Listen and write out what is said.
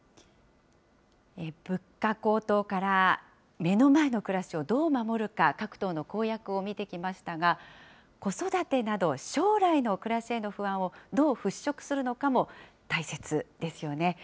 物価高騰から目の前の暮らしをどう守るか、各党の公約を見てきましたが、子育てなど将来の暮らしへの不安を、どう払拭するのかも大切ですよね。